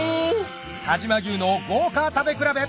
但馬牛の豪華食べ比べ！